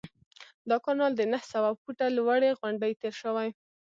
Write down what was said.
دا کانال د نهه سوه فوټه لوړې غونډۍ تیر شوی.